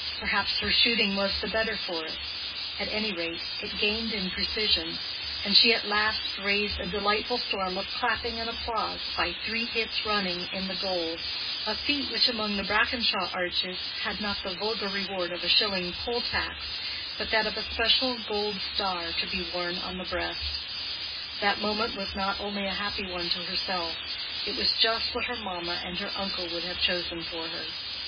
Perhaps her shooting was the better for it: at any rate, it gained in precision, and she at last raised a delightful storm of clapping and applause by three hits running in the gold—a feat which among the Brackenshaw archers had not the vulgar reward of a shilling poll tax, but that of a special gold star to be worn on the breast. That moment was not only a happy one to herself—it was just what her mamma and her uncle would have chosen for her.